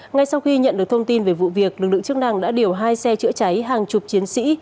ngay sau khi nhận được thông tin về vụ việc lực lượng chức năng đã điều hai xe chữa cháy hàng chục chiến sĩ